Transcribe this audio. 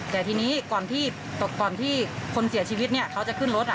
แต่ทีนี้ก่อนที่คนเสียชีวิตเขาจะขึ้นรถ